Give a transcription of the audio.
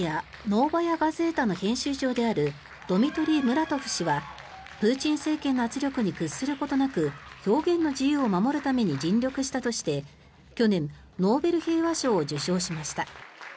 ノーバヤ・ガゼータの編集長であるドミトリー・ムラトフ氏はプーチン政権の圧力に屈することなく表現の自由を守るために尽力したとして去年、ノーベル平和賞を受賞しました。